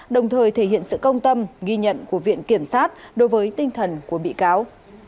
đồng thời thể hiện sự công tâm ghi nhận của viện kiểm sát đối với tinh thần của bị cáo